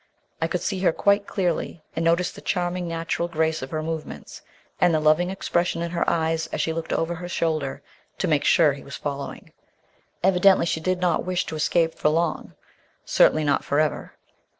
I could see her quite clearly, and noticed the charming, natural grace of her movements, and the loving expression in her eyes as she looked over her shoulder to make sure he was following. Evidently, she did not wish to escape for long, certainly not for ever.